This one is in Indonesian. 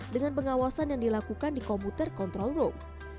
dengan pengawasan yang dilakukan di komputer control room